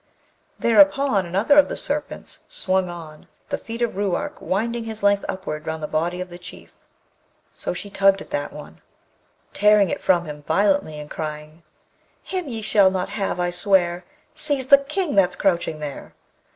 Thereupon another of the Serpents swung on, the feet of Ruark, winding his length upward round the body of the Chief; so she tugged at that one, tearing it from him violently, and crying: Him ye shall not have, I swear! Seize the King that's crouching there.